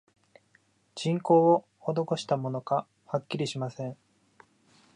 人工をほどこしたものか、はっきりしません